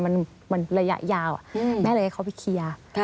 มันระยะยาวแม่เลยให้เขาไปเคลียร์